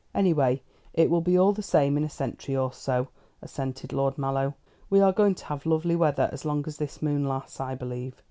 "Any way it will be all the same in a century or so," assented Lord Mallow. "We are going to have lovely weather as long as this moon lasts, I believe.